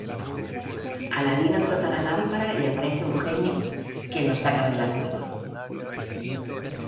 Aladino frota la lámpara y aparece un genio, quien lo saca de la cueva.